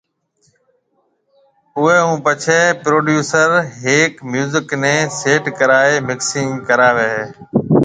اوئي ھونپڇي پروڊيوسر ھر ھيَََڪ ميوزڪ ني سيٽ ڪرائي مڪسنگ ڪراوي ھيَََ